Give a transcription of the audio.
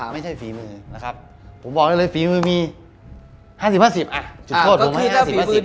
ไม่ใช่ฝีมือผมบอกได้เลยฝีมือมี๕๐๕๐จุดโทษผมว่า๕๐๕๐